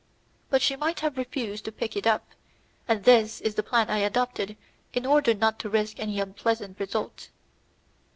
But she might have refused to pick it up, and this is the plan I adopted in order not to risk any unpleasant result.